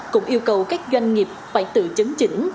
cũng yêu cầu các doanh nghiệp phải tự chấn chỉnh